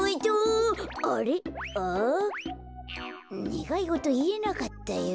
ねがいごといえなかったよ。